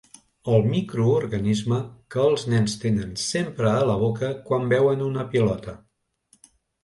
El microorganisme que els nens tenen sempre a la boca quan veuen una pilota.